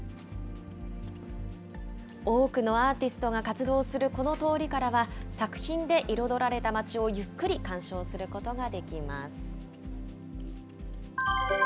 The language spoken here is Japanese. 多くのアーティストが活動するこの通りからは、作品で彩られた街をゆっくり鑑賞することができます。